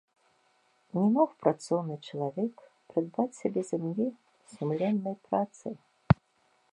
Не мог працоўны чалавек прыдбаць сабе зямлі сумленнай працай.